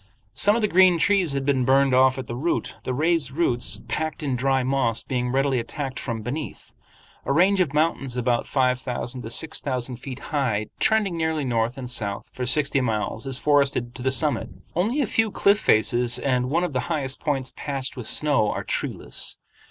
Some of the green trees had been burned off at the root, the raised roots, packed in dry moss, being readily attacked from beneath. A range of mountains about five thousand to six thousand feet high trending nearly north and south for sixty miles is forested to the summit. Only a few cliff faces and one of the highest points patched with snow are treeless.